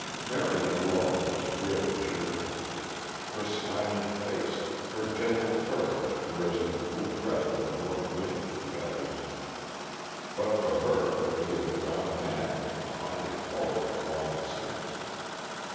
Marion alone was really cheerful; her smiling face, her gentle courage were as the cool breath of the north wind to the others. But for her, they would have gone mad with the haunting horror long since.